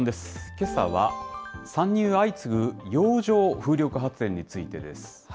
けさは、参入相次ぐ洋上風力発電についてです。